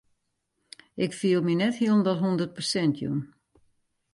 Ik fiel my net hielendal hûndert persint jûn.